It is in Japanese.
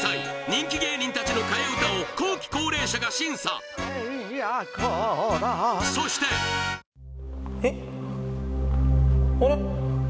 人気芸人たちの替え歌を後期高齢者が審査エンヤコラそしてえっ？あれ？